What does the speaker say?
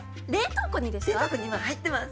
冷凍庫にですか！？